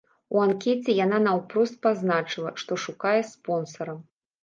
У анкеце яна наўпрост пазначыла, што шукае спонсара.